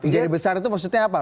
jadi besar itu maksudnya apa